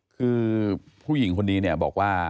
คือผู้หญิงคนนี้บอกว่า